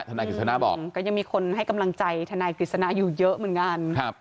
ธนากิจสนะบอกก็ยังมีคนให้กำลังใจธนากิจสนะอยู่เยอะเหมือนกัน